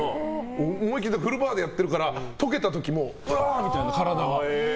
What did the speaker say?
思い切りフルパワーでやっているから解けた時うわーみたいな、体が。